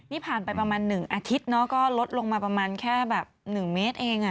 นี่ผ่านไปประมาณ๑อาทิตย์ก็ลดลงมาประมาณแค่แบบ๑เมตรเอง